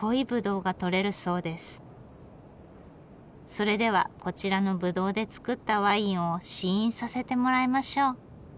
それではこちらのぶどうで造ったワインを試飲させてもらいましょう。